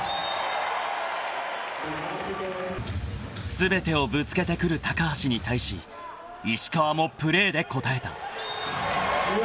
［全てをぶつけてくる橋に対し石川もプレーで応えた］